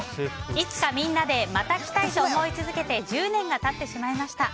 いつかみんなでまた着たいと思い続けて１０年が経ってしまいました。